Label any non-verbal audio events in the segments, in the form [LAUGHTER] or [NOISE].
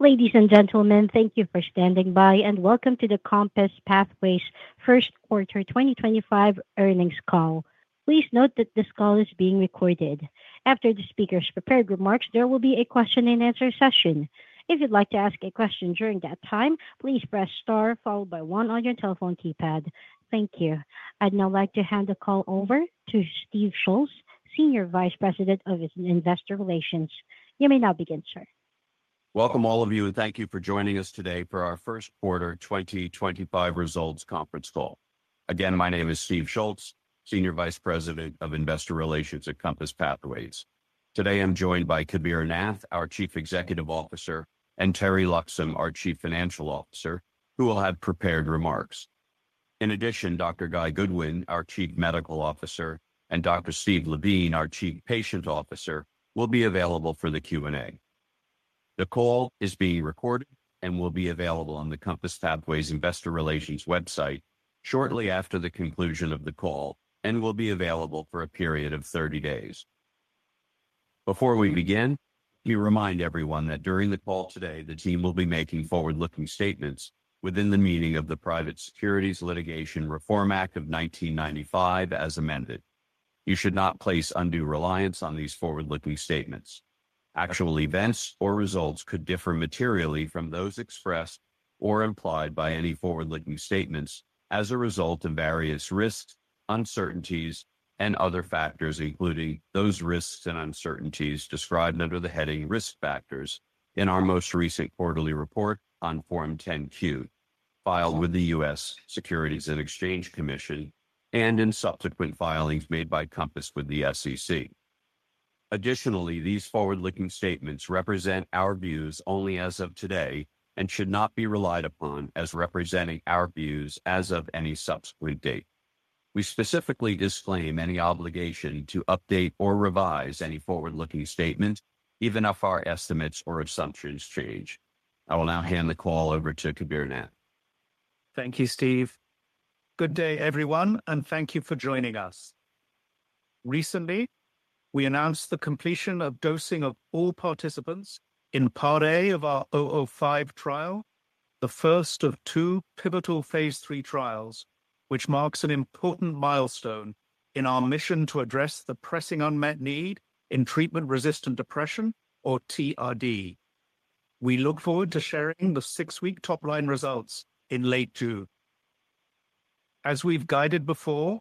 Ladies and gentlemen, thank you for standing by, and welcome to the Compass Pathways First Quarter 2025 Earnings Call. Please note that this call is being recorded. After the speaker's prepared remarks, there will be a question-and-answer session. If you'd like to ask a question during that time, please press star followed by one on your telephone keypad. Thank you. I'd now like to hand the call over to Steve Schultz, Senior Vice President of Investor Relations. You may now begin, sir. Welcome all of you, and thank you for joining us today for our first quarter 2025 results conference call. Again, my name is Steve Schultz, Senior Vice President of Investor Relations at Compass Pathways. Today, I'm joined by Kabir Nath, our Chief Executive Officer, and Teri Loxam, our Chief Financial Officer, who will have prepared remarks. In addition, Dr. Guy Goodwin, our Chief Medical Officer, and Dr. Steve Levine, our Chief Patient Officer, will be available for the Q&A. The call is being recorded and will be available on the Compass Pathways Investor Relations website shortly after the conclusion of the call and will be available for a period of 30 days. Before we begin, we remind everyone that during the call today, the team will be making forward-looking statements within the meaning of the Private Securities Litigation Reform Act of 1995 as amended. You should not place undue reliance on these forward-looking statements. Actual events or results could differ materially from those expressed or implied by any forward-looking statements as a result of various risks, uncertainties, and other factors, including those risks and uncertainties described under the heading risk factors in our most recent quarterly report on Form 10-Q, filed with the U.S. Securities and Exchange Commission, and in subsequent filings made by Compass Pathways with the SEC. Additionally, these forward-looking statements represent our views only as of today and should not be relied upon as representing our views as of any subsequent date. We specifically disclaim any obligation to update or revise any forward-looking statement, even if our estimates or assumptions change. I will now hand the call over to Kabir Nath. Thank you, Steve. Good day, everyone, and thank you for joining us. Recently, we announced the completion of dosing of all participants in Part A of our 005 trial, the first of two pivotal phase III trials, which marks an important milestone in our mission to address the pressing unmet need in treatment-resistant depression, or TRD. We look forward to sharing the six-week top-line results in late June. As we've guided before,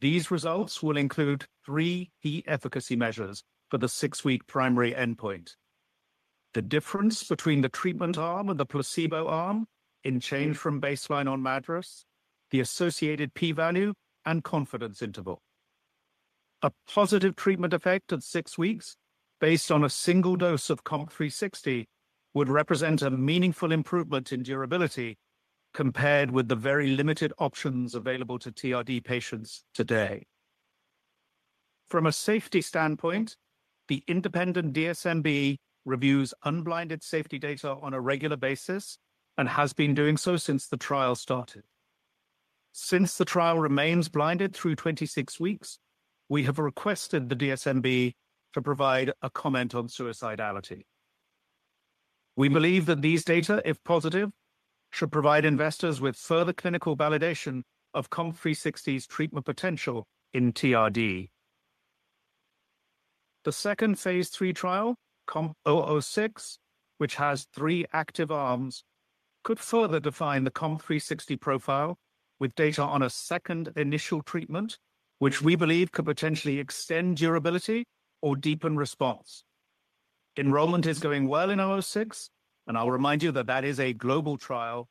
these results will include three key efficacy measures for the six-week primary endpoint: the difference between the treatment arm and the placebo arm in change from baseline on MADRS, the associated p-value, and confidence interval. A positive treatment effect at six weeks based on a single dose of COMP360 would represent a meaningful improvement in durability compared with the very limited options available to TRD patients today. From a safety standpoint, the independent DSMB reviews unblinded safety data on a regular basis and has been doing so since the trial started. Since the trial remains blinded through 26 weeks, we have requested the DSMB to provide a comment on suicidality. We believe that these data, if positive, should provide investors with further clinical validation of COMP360's treatment potential in TRD. The second phase III trial, COMP006, which has three active arms, could further define the COMP360 profile with data on a second initial treatment, which we believe could potentially extend durability or deepen response. Enrollment is going well in 006, and I'll remind you that that is a global trial,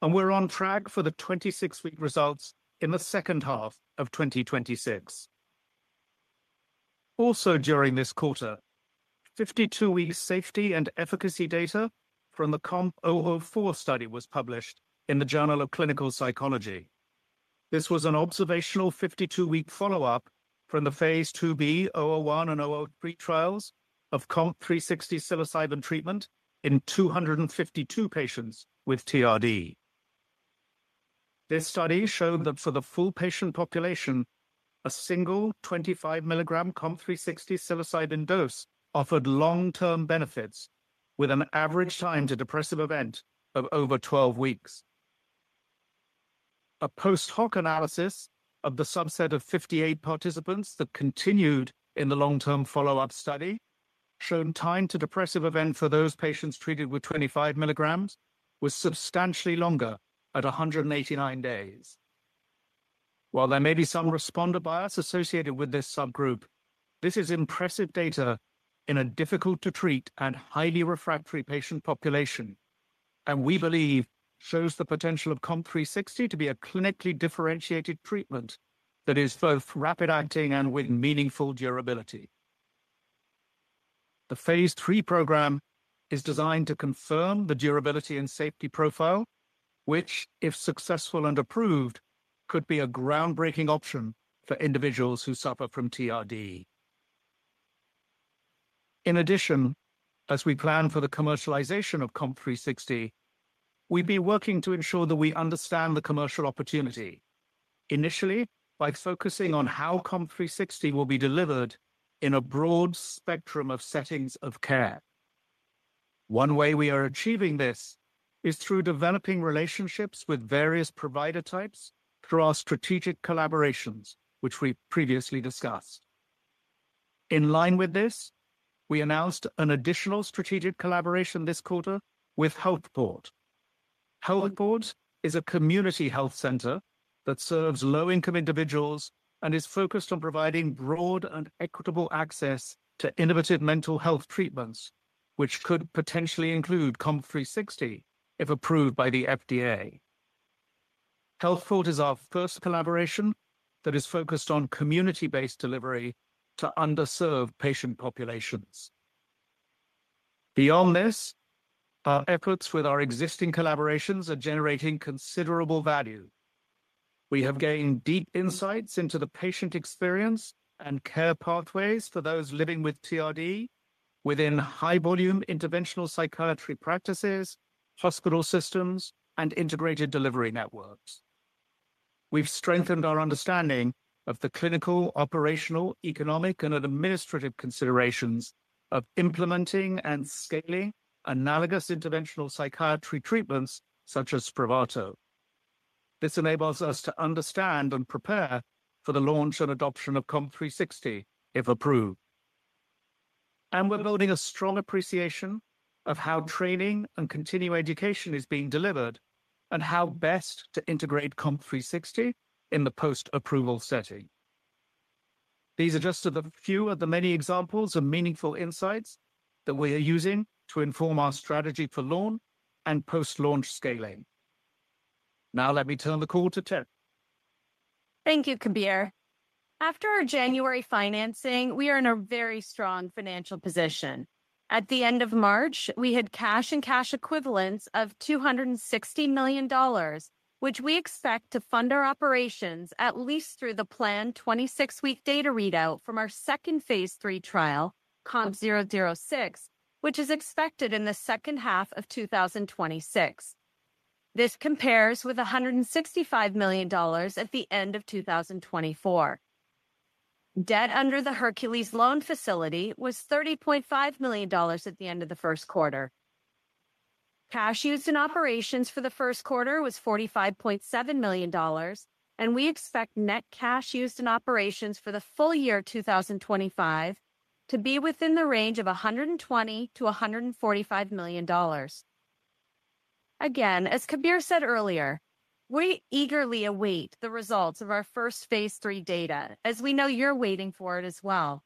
and we're on track for the 26-week results in the second half of 2026. Also, during this quarter, 52-week safety and efficacy data from the COMP004 study was published in the Journal of Clinical Psychology. This was an observational 52-week follow-up from the Phase 2b, 001, and 003 trials of COMP360 psilocybin treatment in 252 patients with TRD. This study showed that for the full patient population, a single 25 milligram COMP360 psilocybin dose offered long-term benefits with an average time to depressive event of over 12 weeks. A post-hoc analysis of the subset of 58 participants that continued in the long-term follow-up study showed time to depressive event for those patients treated with 25 mg was substantially longer at 189 days. While there may be some responder bias associated with this subgroup, this is impressive data in a difficult-to-treat and highly refractory patient population, and we believe shows the potential of COMP360 to be a clinically differentiated treatment that is both rapid-acting and with meaningful durability. The phase III program is designed to confirm the durability and safety profile, which, if successful and approved, could be a groundbreaking option for individuals who suffer from TRD. In addition, as we plan for the commercialization of COMP360, we've been working to ensure that we understand the commercial opportunity, initially by focusing on how COMP360 will be delivered in a broad spectrum of settings of care. One way we are achieving this is through developing relationships with various provider types through our strategic collaborations, which we previously discussed. In line with this, we announced an additional strategic collaboration this quarter with HealthPort. HealthPort is a community health center that serves low-income individuals and is focused on providing broad and equitable access to innovative mental health treatments, which could potentially include COMP360 if approved by the FDA. HealthPort is our first collaboration that is focused on community-based delivery to underserved patient populations. Beyond this, our efforts with our existing collaborations are generating considerable value. We have gained deep insights into the patient experience and care pathways for those living with TRD within high-volume interventional psychiatry practices, hospital systems, and integrated delivery networks. We've strengthened our understanding of the clinical, operational, economic, and administrative considerations of implementing and scaling analogous interventional psychiatry treatments such as Spravato. This enables us to understand and prepare for the launch and adoption of COMP360 if approved. We are building a strong appreciation of how training and continuing education is being delivered and how best to integrate COMP360 in the post-approval setting. These are just a few of the many examples of meaningful insights that we are using to inform our strategy for launch and post-launch scaling. Now, let me turn the call to Teri. Thank you, Kabir. After our January financing, we are in a very strong financial position. At the end of March, we had cash and cash equivalents of $260 million, which we expect to fund our operations at least through the planned 26-week data readout from our second phase III trial, COMP006, which is expected in the second half of 2026. This compares with $165 million at the end of 2024. Debt under the Hercules loan facility was $30.5 million at the end of the first quarter. Cash used in operations for the first quarter was $45.7 million, and we expect net cash used in operations for the full year 2025 to be within the range of $120 million -$145 million. Again, as Kabir said earlier, we eagerly await the results of our first phase III data, as we know you're waiting for it as well.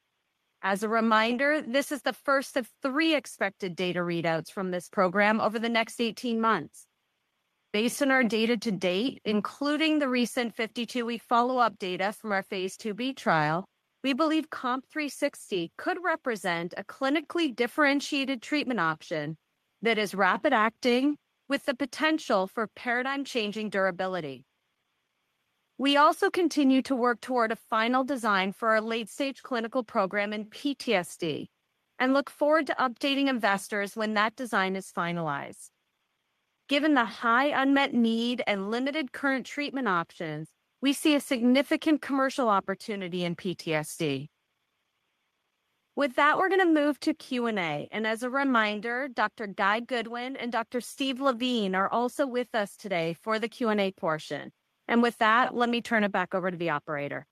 As a reminder, this is the first of three expected data readouts from this program over the next 18 months. Based on our data to date, including the recent 52-week follow-up data from our Phase 2b trial, we believe COMP360 could represent a clinically differentiated treatment option that is rapid-acting with the potential for paradigm-changing durability. We also continue to work toward a final design for our late-stage clinical program in PTSD and look forward to updating investors when that design is finalized. Given the high unmet need and limited current treatment options, we see a significant commercial opportunity in PTSD. With that, we're going to move to Q&A. As a reminder, Dr. Guy Goodwin and Dr. Steve Levine are also with us today for the Q&A portion. With that, let me turn it back over to the operator.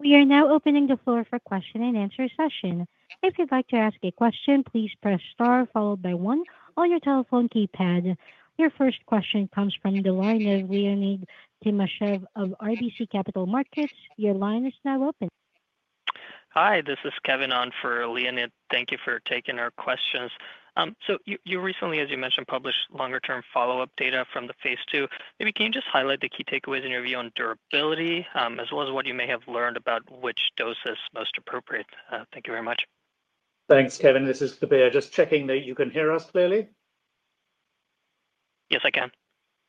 We are now opening the floor for question-and-answer session. If you'd like to ask a question, please press star followed by one on your telephone keypad. Your first question comes from the line of Leonid Timashev of RBC Capital Markets. Your line is now open. Hi, this is Kevin on for Leonid. Thank you for taking our questions. You recently, as you mentioned, published longer-term follow-up data from the Phase 2. Maybe can you just highlight the key takeaways in your view on durability, as well as what you may have learned about which dose is most appropriate? Thank you very much. Thanks, Kevin. This is Kabir. Just checking that you can hear us clearly. Yes, I can.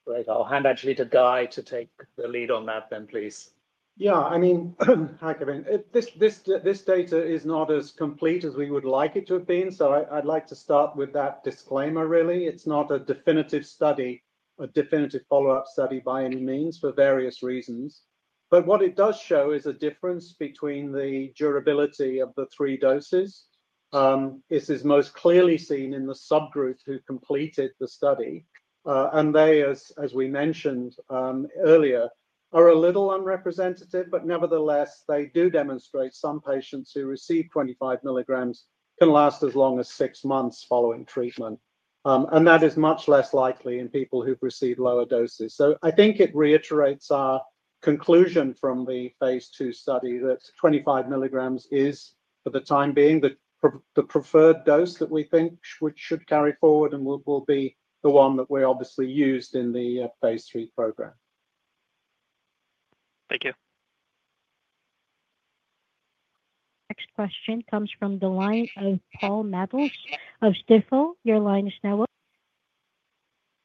Great. I'll hand actually to Guy to take the lead on that then, please. Yeah, I mean, hi Kevin. This data is not as complete as we would like it to have been. I’d like to start with that disclaimer, really. It’s not a definitive study, a definitive follow-up study by any means for various reasons. What it does show is a difference between the durability of the three doses. This is most clearly seen in the subgroup who completed the study. They, as we mentioned earlier, are a little unrepresentative, but nevertheless, they do demonstrate some patients who receive 25 mg can last as long as six months following treatment. That is much less likely in people who’ve received lower doses. I think it reiterates our conclusion from the phase II study that 25 mg is, for the time being, the preferred dose that we think should carry forward and will be the one that we obviously used in the phase III program. Thank you. Next question comes from the line of Paul Matteis of Stifel. Your line is now open.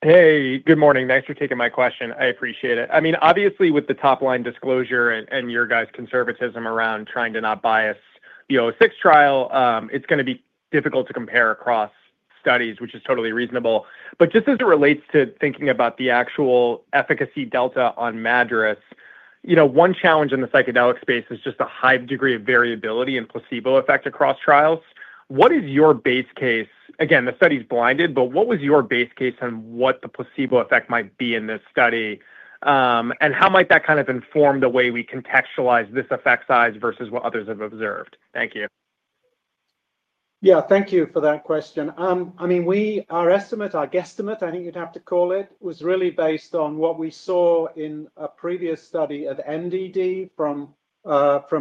Hey, good morning. Thanks for taking my question. I appreciate it. I mean, obviously, with the top-line disclosure and your guys' conservatism around trying to not bias the 006 trial, it's going to be difficult to compare across studies, which is totally reasonable. Just as it relates to thinking about the actual efficacy delta on MADRS, one challenge in the psychedelic space is just a high degree of variability and placebo effect across trials. What is your base case? Again, the study's blinded, but what was your base case on what the placebo effect might be in this study? How might that kind of inform the way we contextualize this effect size versus what others have observed? Thank you. Yeah, thank you for that question. I mean, our estimate, our guesstimate, I think you'd have to call it, was really based on what we saw in a previous study of MDD from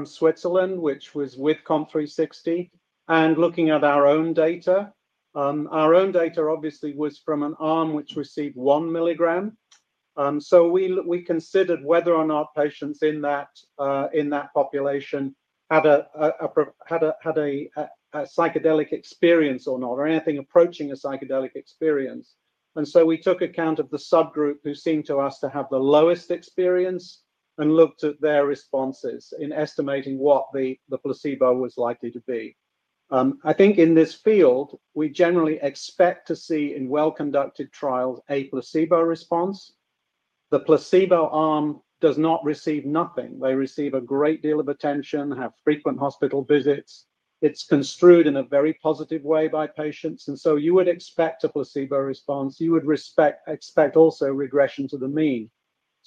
Switzerland, which was with COMP360, and looking at our own data. Our own data obviously was from an arm which received 1 mg. So we considered whether or not patients in that population had a psychedelic experience or not, or anything approaching a psychedelic experience. And so we took account of the subgroup who seemed to us to have the lowest experience and looked at their responses in estimating what the placebo was likely to be. I think in this field, we generally expect to see in well-conducted trials a placebo response. The placebo arm does not receive nothing. They receive a great deal of attention, have frequent hospital visits. It's construed in a very positive way by patients. You would expect a placebo response. You would expect also regression to the mean.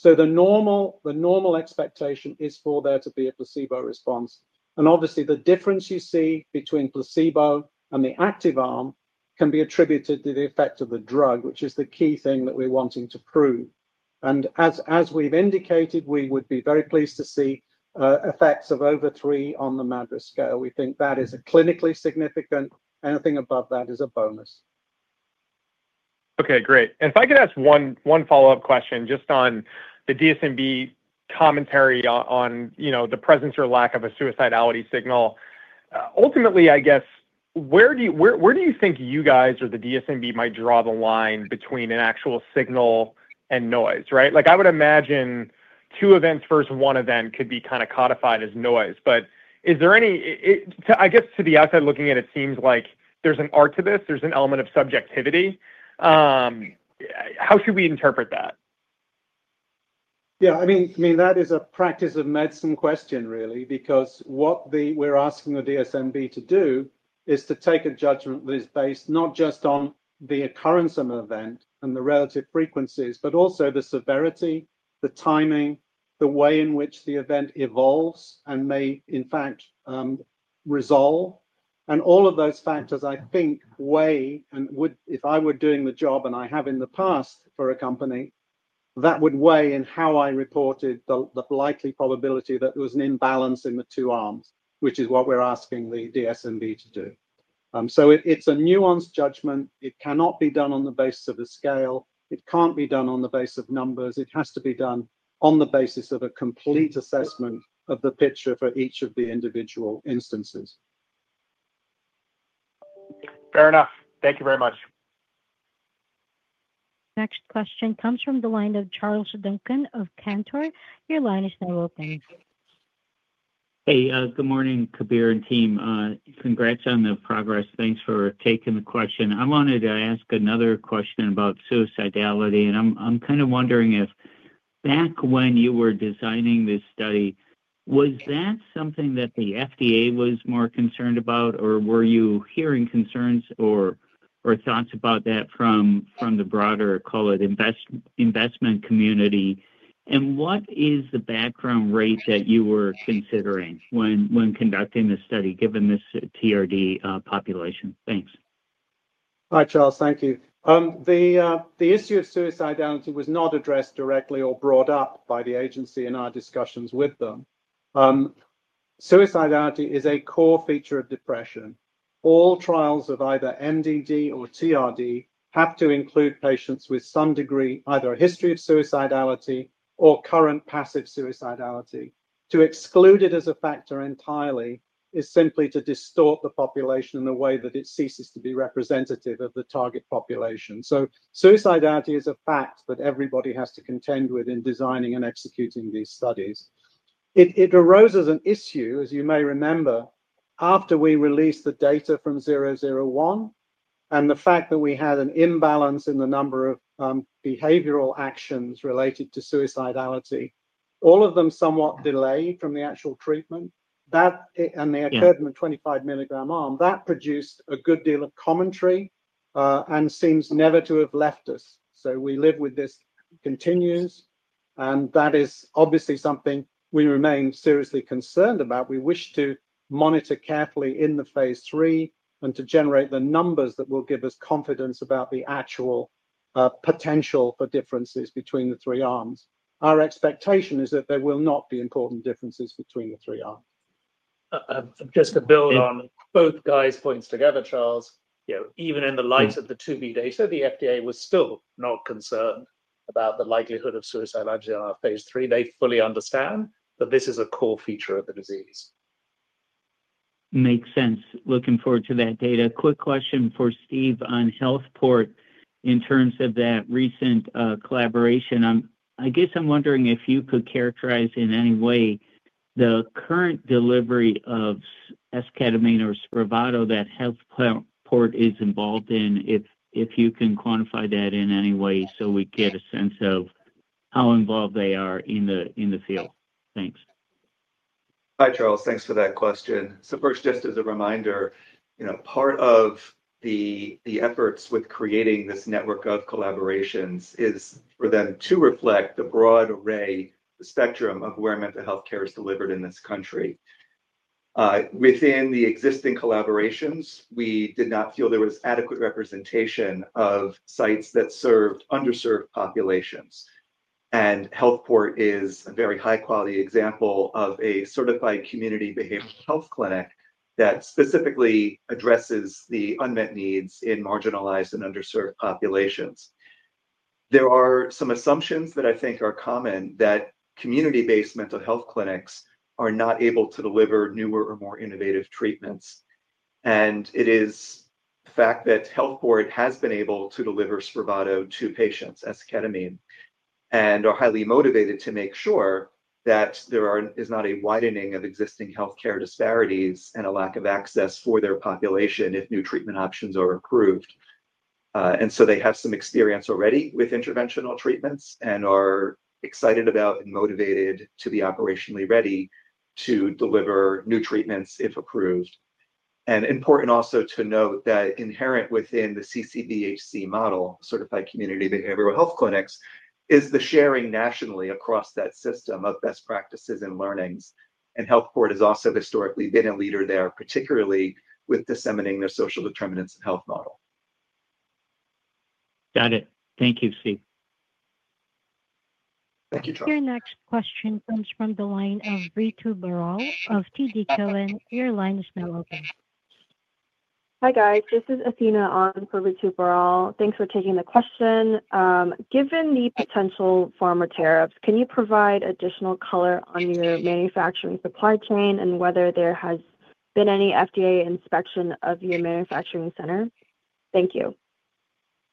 The normal expectation is for there to be a placebo response. Obviously, the difference you see between placebo and the active arm can be attributed to the effect of the drug, which is the key thing that we're wanting to prove. As we've indicated, we would be very pleased to see effects of over three on the MADRS scale. We think that is clinically significant. Anything above that is a bonus. Okay, great. If I could ask one follow-up question just on the DSMB commentary on the presence or lack of a suicidality signal. Ultimately, I guess, where do you think you guys or the DSMB might draw the line between an actual signal and noise, right? I would imagine two events versus one event could be kind of codified as noise. Is there any, I guess, to the outside looking at it, it seems like there's an art to this. There's an element of subjectivity. How should we interpret that? Yeah, I mean, that is a practice of medicine question, really, because what we're asking the DSMB to do is to take a judgment that is based not just on the occurrence of an event and the relative frequencies, but also the severity, the timing, the way in which the event evolves and may, in fact, resolve. All of those factors, I think, weigh, and if I were doing the job, and I have in the past for a company, that would weigh in how I reported the likely probability that there was an imbalance in the two arms, which is what we're asking the DSMB to do. It is a nuanced judgment. It cannot be done on the basis of a scale. It can't be done on the basis of numbers. It has to be done on the basis of a complete assessment of the picture for each of the individual instances. Fair enough. Thank you very much. Next question comes from Charles Duncan of Cantor. Your line is now open. Hey, good morning, Kabir and team. Congrats on the progress. Thanks for taking the question. I wanted to ask another question about suicidality. I'm kind of wondering if back when you were designing this study, was that something that the FDA was more concerned about, or were you hearing concerns or thoughts about that from the broader, call it, investment community? What is the background rate that you were considering when conducting the study given this TRD population? Thanks. Hi, Charles. Thank you. The issue of suicidality was not addressed directly or brought up by the agency in our discussions with them. Suicidality is a core feature of depression. All trials of either MDD or TRD have to include patients with some degree, either a history of suicidality or current passive suicidality. To exclude it as a factor entirely is simply to distort the population in a way that it ceases to be representative of the target population. Suicidality is a fact that everybody has to contend with in designing and executing these studies. It arose as an issue, as you may remember, after we released the data from 001 and the fact that we had an imbalance in the number of behavioral actions related to suicidality, all of them somewhat delayed from the actual treatment, and they occurred in the 25 mg arm. That produced a good deal of commentary and seems never to have left us. We live with this, continues, and that is obviously something we remain seriously concerned about. We wish to monitor carefully in the phase III and to generate the numbers that will give us confidence about the actual potential for differences between the three arms. Our expectation is that there will not be important differences between the three arms. Just to build on both Guy's points together, Charles, even in the light of the 2b data, the FDA was still not concerned about the likelihood of [AUDIO DISTORTION] suicidality on our phase III. They fully understand that this is a core feature of the disease. Makes sense. Looking forward to that data. Quick question for Steve on HealthPort in terms of that recent collaboration. I guess I'm wondering if you could characterize in any way the current delivery of esketamine or Spravato that HealthPort is involved in, if you can quantify that in any way so we get a sense of how involved they are in the field. Thanks. Hi, Charles. Thanks for that question. First, just as a reminder, part of the efforts with creating this network of collaborations is for them to reflect the broad array, the spectrum of where mental health care is delivered in this country. Within the existing collaborations, we did not feel there was adequate representation of sites that served underserved populations. HealthPort is a very high-quality example of a certified community behavioral health clinic that specifically addresses the unmet needs in marginalized and underserved populations. There are some assumptions that I think are common that community-based mental health clinics are not able to deliver newer or more innovative treatments. It is the fact that HealthPort has been able to deliver Spravato to patients, esketamine, and are highly motivated to make sure that there is not a widening of existing healthcare disparities and a lack of access for their population if new treatment options are approved. They have some experience already with interventional treatments and are excited about and motivated to be operationally ready to deliver new treatments if approved. It is important also to note that inherent within the CCBHC model, Certified Community Behavioral Health Clinics, is the sharing nationally across that system of best practices and learnings. HealthPort has also historically been a leader there, particularly with disseminating their social determinants of health model. Got it. Thank you, Steve. Thank you, Charles. Your next question comes from Ritu Baral of TD Cowen. Your line is now open. Hi, guys. This is Athena on for Ritu Baral. Thanks for taking the question. Given the potential pharma tariffs, can you provide additional color on your manufacturing supply chain and whether there has been any FDA inspection of your manufacturing center? Thank you.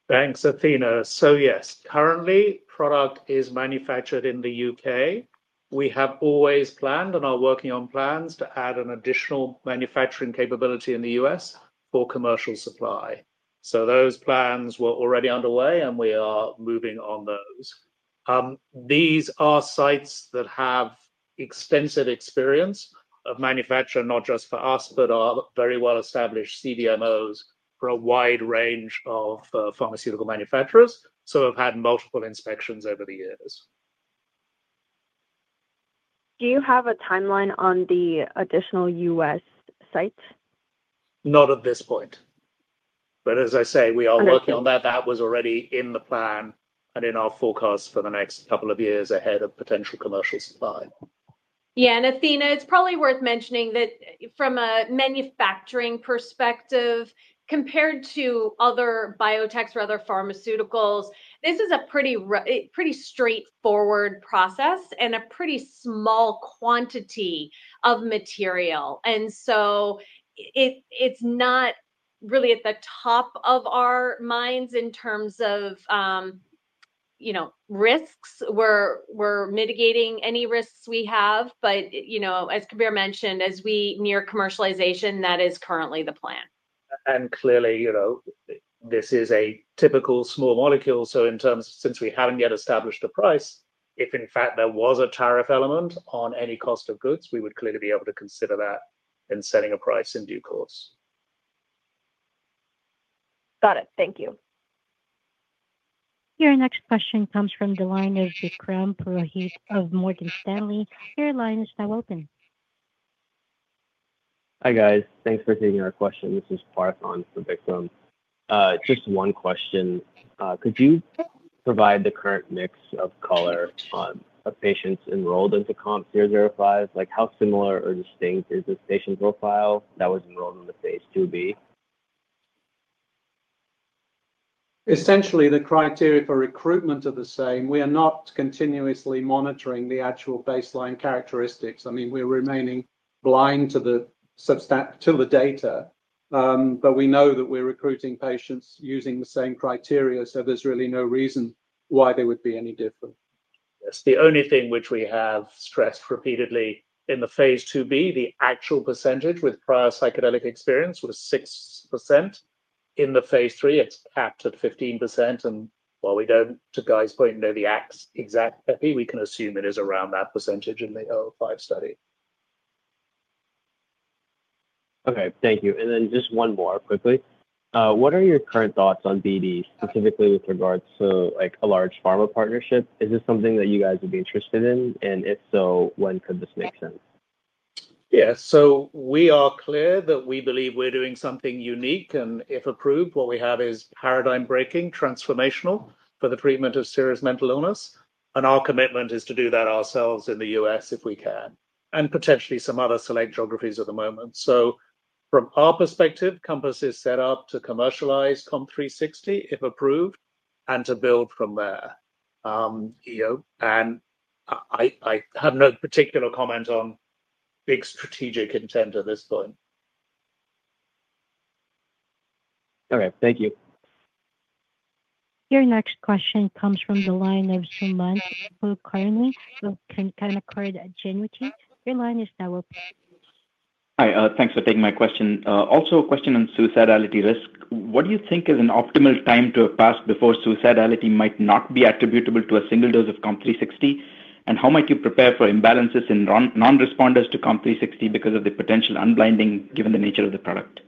Thanks, Athena. Yes, currently, product is manufactured in the U.K. We have always planned and are working on plans to add an additional manufacturing capability in the U.S. for commercial supply. Those plans were already underway, and we are moving on those. These are sites that have extensive experience of manufacturing, not just for us, but are very well-established CDMOs for a wide range of pharmaceutical manufacturers. We have had multiple inspections over the years. Do you have a timeline on the additional U.S. sites? Not at this point. As I say, we are working on that. That was already in the plan and in our forecast for the next couple of years ahead of potential commercial supply. Yeah. Athena, it's probably worth mentioning that from a manufacturing perspective, compared to other biotechs or other pharmaceuticals, this is a pretty straightforward process and a pretty small quantity of material. It is not really at the top of our minds in terms of risks. We're mitigating any risks we have. As Kabir mentioned, as we near commercialization, that is currently the plan. Clearly, this is a typical small molecule. Since we haven't yet established the price, if in fact there was a tariff element on any cost of goods, we would clearly be able to consider that in setting a price in due course. Got it. Thank you. Your next question comes from the line of Vikram Purohit of Morgan Stanley. Your line is now open. Hi, guys. Thanks for taking our question. This is Parth on for Vikram. Just one question. Could you provide the current mix or color of patients enrolled into COMP005? How similar or distinct is this patient profile that was enrolled in the Phase 2b? Essentially, the criteria for recruitment are the same. We are not continuously monitoring the actual baseline characteristics. I mean, we're remaining blind to the data, but we know that we're recruiting patients using the same criteria. There is really no reason why they would be any different. Yes. The only thing which we have stressed repeatedly in the Phase 2b, the actual percentage with prior psychedelic experience was 6%. In the phase III, it's capped at 15%. While we don't, to Guy's point, know the exact, we can assume it is around that percentage in the 005 study. Okay. Thank you. Just one more quickly. What are your current thoughts on BD, specifically with regards to a large pharma partnership? Is this something that you guys would be interested in? If so, when could this make sense? Yeah. We are clear that we believe we're doing something unique. If approved, what we have is paradigm-breaking, transformational for the treatment of serious mental illness. Our commitment is to do that ourselves in the U.S. if we can, and potentially some other select geographies at the moment. From our perspective, Compass is set up to commercialize COMP360 if approved and to build from there. I have no particular comment on big strategic intent at this point. Okay. Thank you. Your next question comes from Sumant Kulkarni of Canaccord Genuity. Your line is now open. Hi. Thanks for taking my question. Also, a question on suicidality risk. What do you think is an optimal time to pass before suicidality might not be attributable to a single dose of COMP360? How might you prepare for imbalances in non-responders to COMP360 because of the potential unblinding given the nature of the product?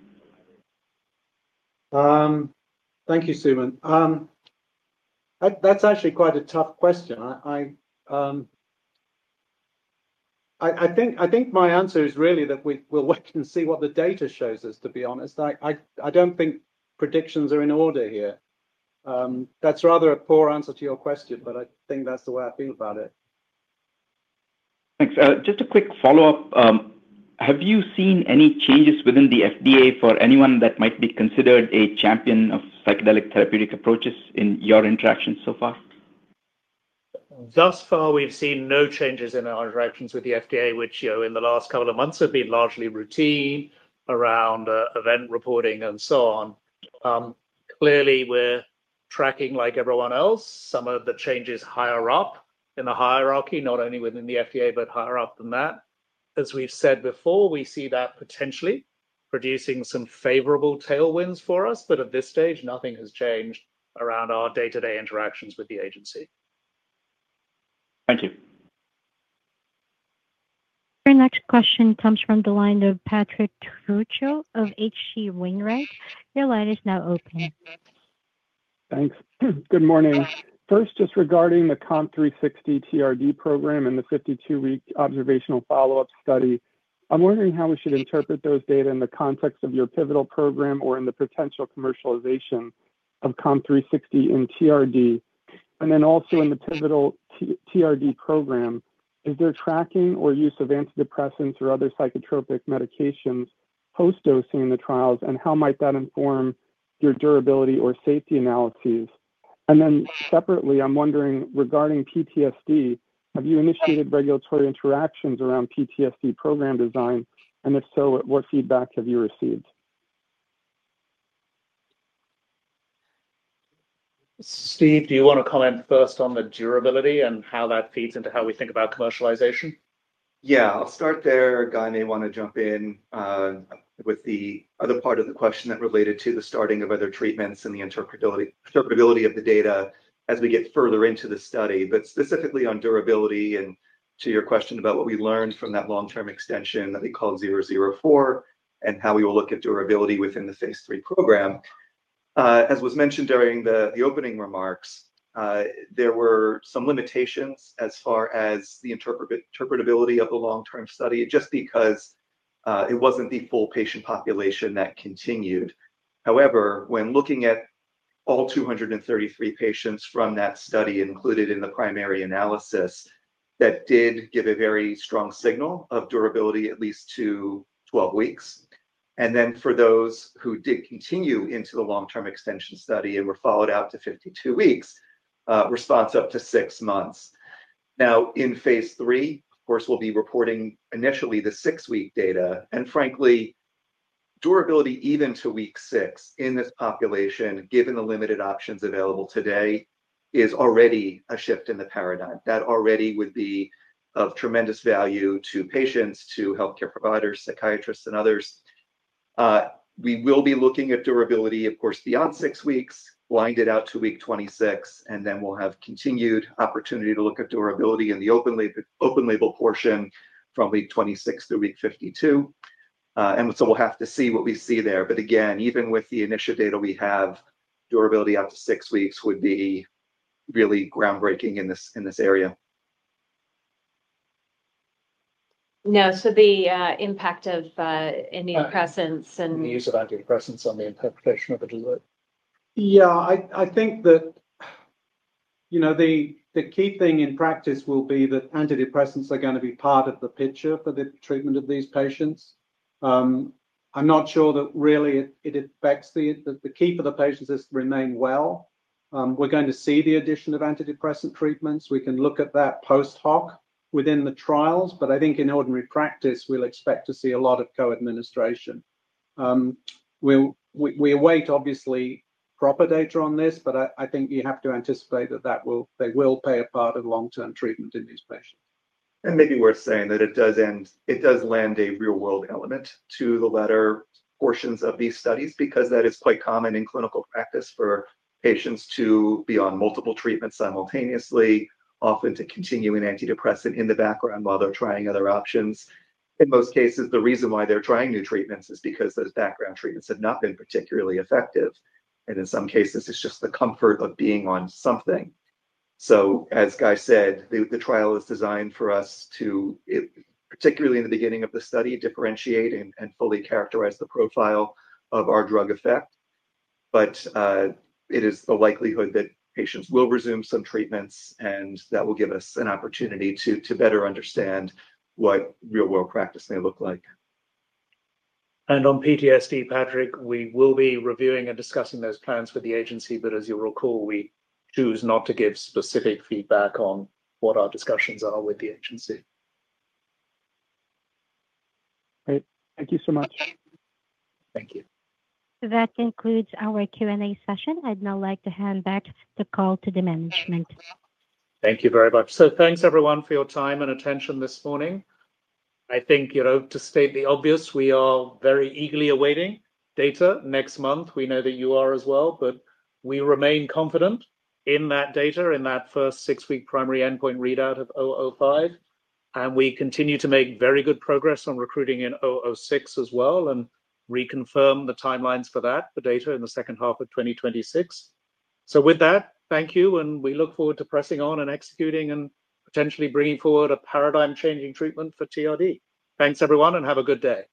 Thank you, Steven. That's actually quite a tough question. I think my answer is really that we'll wait and see what the data shows us, to be honest. I don't think predictions are in order here. That's rather a poor answer to your question, but I think that's the way I feel about it. Thanks. Just a quick follow-up. Have you seen any changes within the FDA for anyone that might be considered a champion of psychedelic therapeutic approaches in your interactions so far? Thus far, we've seen no changes in our interactions with the FDA, which in the last couple of months have been largely routine around event reporting and so on. Clearly, we're tracking like everyone else. Some of the changes higher up in the hierarchy, not only within the FDA, but higher up than that. As we've said before, we see that potentially producing some favorable tailwinds for us. At this stage, nothing has changed around our day-to-day interactions with the agency. Thank you. Your next question comes from the line of Patrick Trucchio of H.C. Wainwright. Your line is now open. Thanks. Good morning. First, just regarding the COMP360 TRD program and the 52-week observational follow-up study, I'm wondering how we should interpret those data in the context of your pivotal program or in the potential commercialization of COMP360 in TRD, and then also in the pivotal TRD program. Is there tracking or use of antidepressants or other psychotropic medications post-dosing in the trials, and how might that inform your durability or safety analyses? Separately, I'm wondering regarding PTSD, have you initiated regulatory interactions around PTSD program design, and if so, what feedback have you received? Steve, do you want to comment first on the durability and how that feeds into how we think about commercialization? Yeah. I'll start there. Guy may want to jump in with the other part of the question that related to the starting of other treatments and the interpretability of the data as we get further into the study, but specifically on durability and to your question about what we learned from that long-term extension that we called 004 and how we will look at durability within the phase III program. As was mentioned during the opening remarks, there were some limitations as far as the interpretability of the long-term study just because it was not the full patient population that continued. However, when looking at all 233 patients from that study included in the primary analysis, that did give a very strong signal of durability, at least to 12 weeks. For those who did continue into the long-term extension study and were followed out to 52 weeks, response up to six months. In phase III, of course, we'll be reporting initially the six-week data. Frankly, durability even to week six in this population, given the limited options available today, is already a shift in the paradigm that already would be of tremendous value to patients, to healthcare providers, psychiatrists, and others. We will be looking at durability, of course, beyond six weeks, wind it out to week 26, and then we'll have continued opportunity to look at durability in the open label portion from week 26 through week 52. We will have to see what we see there. Again, even with the initial data we have, durability up to six weeks would be really groundbreaking in this area. No. So the impact of antidepressants and. The use of antidepressants on the interpretation of it. Yeah. I think that the key thing in practice will be that antidepressants are going to be part of the picture for the treatment of these patients. I'm not sure that really it affects the key for the patients is to remain well. We're going to see the addition of antidepressant treatments. We can look at that post-hoc within the trials, but I think in ordinary practice, we'll expect to see a lot of co-administration. We await, obviously, proper data on this, but I think you have to anticipate that they will play a part of long-term treatment in these patients. Maybe worth saying that it does land a real-world element to the latter portions of these studies because that is quite common in clinical practice for patients to be on multiple treatments simultaneously, often to continue an antidepressant in the background while they're trying other options. In most cases, the reason why they're trying new treatments is because those background treatments have not been particularly effective. In some cases, it's just the comfort of being on something. As Guy said, the trial is designed for us to, particularly in the beginning of the study, differentiate and fully characterize the profile of our drug effect. It is the likelihood that patients will resume some treatments, and that will give us an opportunity to better understand what real-world practice may look like. On PTSD, Patrick, we will be reviewing and discussing those plans with the agency. As you'll recall, we choose not to give specific feedback on what our discussions are with the agency. Great. Thank you so much. Thank you. That concludes our Q&A session. I'd now like to hand back the call to the management. Thank you very much. Thanks, everyone, for your time and attention this morning. I think to state the obvious, we are very eagerly awaiting data next month. We know that you are as well, but we remain confident in that data, in that first six-week primary endpoint readout of 005. We continue to make very good progress on recruiting in 006 as well and reconfirm the timelines for that, the data in the second half of 2026. With that, thank you, and we look forward to pressing on and executing and potentially bringing forward a paradigm-changing treatment for TRD. Thanks, everyone, and have a good day.